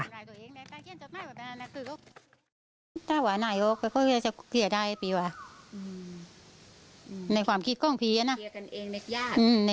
แต่ถ้านายอยู่ดันหน้าแบบนี้ก็ควรว่า